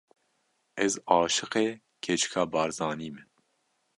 Ez aşiqê keçika Barzanî me!